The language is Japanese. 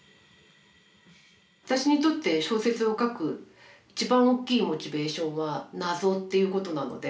私にとって小説を書く一番大きいモチベーションは謎っていうことなので。